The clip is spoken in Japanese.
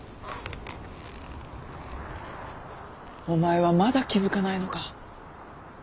お前はまだ気付かないのか。